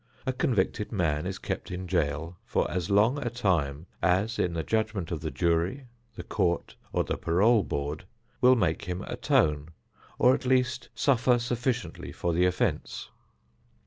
A convicted man is kept in jail for as long a time as in the judgment of the jury, the court, or the parole board, will make him atone, or at least suffer sufficiently for the offence.